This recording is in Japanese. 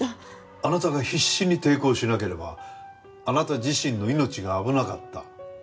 あなたが必死に抵抗しなければあなた自身の命が危なかった。